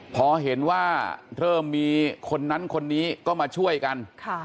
พอเห็นว่าเริ่มมีคนนั้นคนนี้ก็มาช่วยกัน